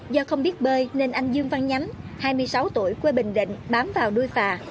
do không biết bơi nên anh dương văn nhắm hai mươi sáu tuổi quê bình định bám vào đuôi phà